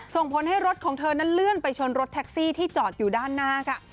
ส่งผลให้รถของเธอนั้นเลื่อนไปชนรถแท็กซี่ที่จอดอยู่ด้านหน้าค่ะ